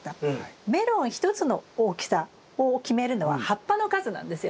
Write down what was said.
メロン一つの大きさを決めるのは葉っぱの数なんですよ。